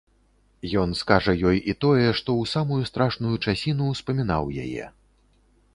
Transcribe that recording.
Ён скажа ёй і тое, што ў самую страшную часіну ўспамінаў яе.